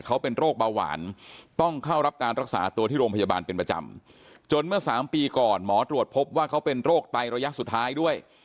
ก็ต้องรักษาไตอีกรักษามาตลอด